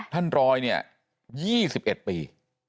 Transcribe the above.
ท่านรอยเนี่ย๒๑ปี